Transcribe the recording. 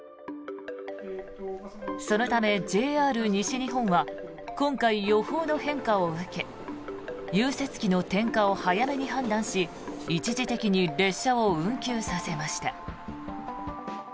そのためＪＲ西日本は今回、予報の変化を受け融雪機の点火を早めに判断し一時的に列車を運休させました。